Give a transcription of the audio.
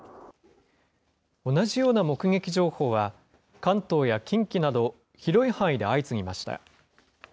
同じような目撃情報は、関東や近畿など、広い範囲で相次ぎました。